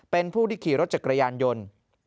เป็นผู้ที่ขี่รถจักรยานยนต์